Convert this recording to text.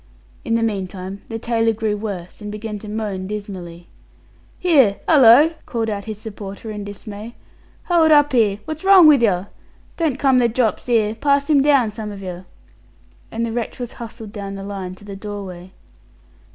In the meantime the tailor grew worse, and began to moan dismally. "Here! 'ullo!" called out his supporter, in dismay. "Hold up 'ere! Wot's wrong with yer? Don't come the drops 'ere. Pass him down, some of yer," and the wretch was hustled down to the doorway.